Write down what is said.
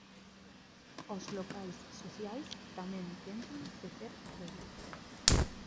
Os locais sociais tamén tentan tecer redes.